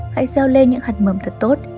hãy gieo lên những hạt mơm thật tốt